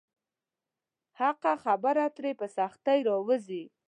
حقه خبره ترې په سختۍ راووځي.